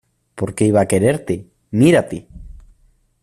¿ Por qué iba a quererte? ¡ mírate!